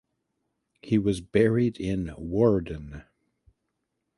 He was buried in Woerden.